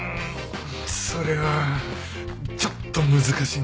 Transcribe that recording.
それはちょっと難しいんだよな。